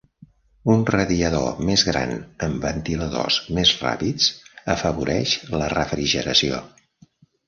Un radiador més gran amb ventiladors més ràpids afavoreix la refrigeració.